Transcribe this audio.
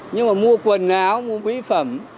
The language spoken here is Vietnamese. nhưng mà mua quần áo mua mỹ phẩm